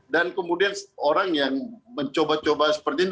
dan kemudian orang yang mencoba coba seperti ini